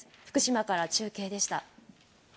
福島から中継でした。